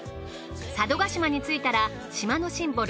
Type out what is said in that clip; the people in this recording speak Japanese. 佐渡島についたら島のシンボル